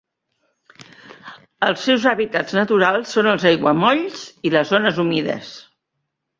Els seus hàbitats naturals són els aiguamolls i les zones humides.